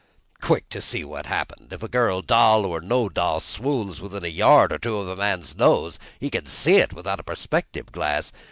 "Quick to see what happened! If a girl, doll or no doll, swoons within a yard or two of a man's nose, he can see it without a perspective glass.